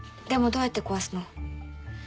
でもどうやって壊すの？